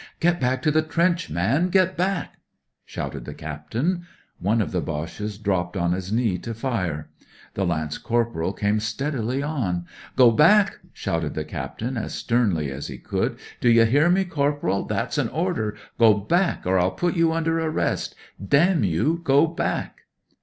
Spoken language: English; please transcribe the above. " Get back to the trench, man I Get back I " shouted the captain. One of the Boches dropped on his knee to fire. The lance corporal came steadily on. " Go back," shouted the captain as sternly as he could. "D'you hear me, corporal? That's an order. Go back, or I'll put you under arrest. Damn you, go back